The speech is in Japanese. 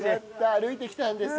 歩いてきたんですよ。